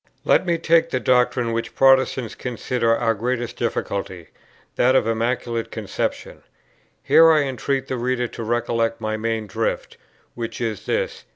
Let me take the doctrine which Protestants consider our greatest difficulty, that of the Immaculate Conception. Here I entreat the reader to recollect my main drift, which is this.